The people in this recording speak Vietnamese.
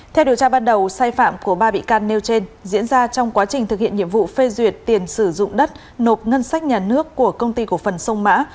theo điều tra ban đầu sai phạm của ba bị can nêu trên diễn ra trong quá trình thực hiện nhiệm vụ phê duyệt tiền sử dụng đất nộp ngân sách nhà nước của công ty cổ phần sông mã